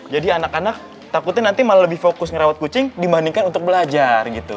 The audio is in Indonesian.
jadi anak anak takutnya nanti malah lebih fokus ngerawat kucing dibandingkan untuk belajar